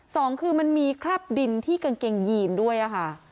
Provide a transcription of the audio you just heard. สองคือมันมีคราบดินที่กางเกงยีนด้วยค่ะ